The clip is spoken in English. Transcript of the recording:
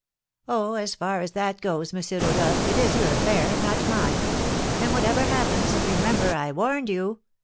"Oh, as far as that goes, M. Rodolph, it is your affair, not mine; and, whatever happens, remember I warned you.